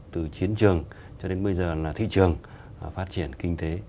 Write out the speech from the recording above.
từ chiến trường cho đến bây giờ là thị trường phát triển kinh tế